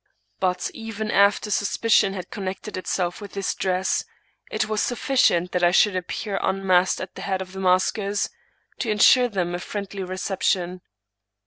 But, even after suspicion had con nected itself with this dress, it was sufficient that I should appear unmasked at the head of the maskers, to insure them a friendly reception.